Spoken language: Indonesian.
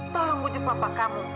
tolong bujuk papa kamu